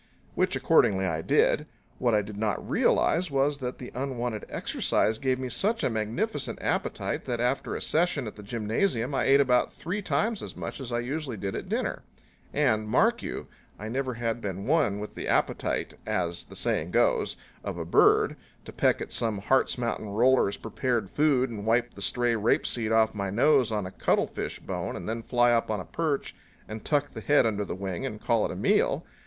Which accordingly I did. What I did not realize was that the unwonted exercise gave me such a magnificent appetite that, after a session at the gymnasium, I ate about three times as much as I usually did at dinner and, mark you, I never had been one with the appetite, as the saying goes, of a bird, to peck at some Hartz Mountain roller's prepared food and wipe the stray rape seed off my nose on a cuttle fish bone and then fly up on the perch and tuck the head under the wing and call it a meal.